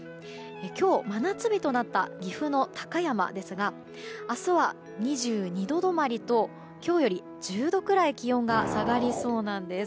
今日、真夏日となった岐阜の高山ですが明日は２２度止まりと、今日より１０度ぐらい気温が下がりそうなんです。